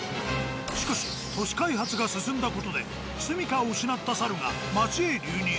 しかし都市開発が進んだ事ですみかを失った猿が町へ流入。